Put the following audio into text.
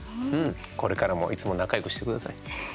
これからもいつも仲よくしてください。